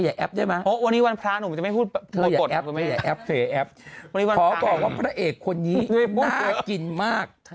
อ้าวพี่หนุ่มใช่มั้ยคะ